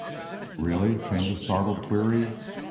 "Really?" came the startled query.